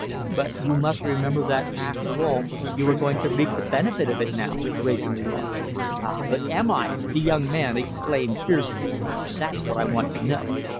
"But you must remember that after all you are going to reap the benefit of it now," Wrayson remarked. "Ah! but am I?" the young man exclaimed fiercely. "That's what I want to know.